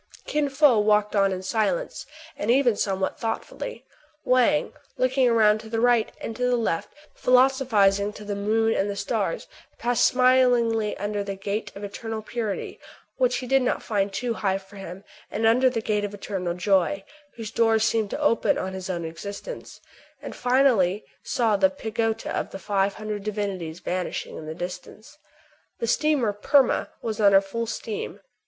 Kin Fo walked on in silence, and even some what thoughtfully. Wang, looking round to the right and to the left, philosophizing to the moon and the stars, passed smilingly under the Gate of Eternal Purity, which he did not find too high for him, and under the Gate of Eternal Joy, whose doors seemed to open on his own existence, and finally saw the Pagoda of the Five Hundred Divinities vanishing in the distance. The steamer " Perma " was under full steam.